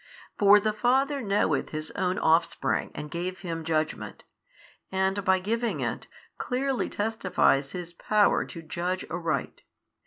For the Father knoweth His own Offspring and gave Him judgment, and by giving it, clearly testifies His Power to judge aright.